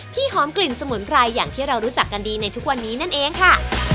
หอมกลิ่นสมุนไพรอย่างที่เรารู้จักกันดีในทุกวันนี้นั่นเองค่ะ